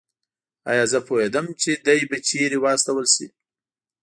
ایا زه پوهېدم چې دی به چېرې واستول شي؟